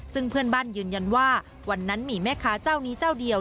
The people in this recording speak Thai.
ซึ่งเพื่อนบ้านยืนยันว่าวันนั้นมีแม่ค้าเจ้านี้เจ้าเดียว